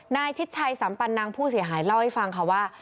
ชิดชัยสัมปันนังผู้เสียหายเล่าให้ฟังค่ะว่า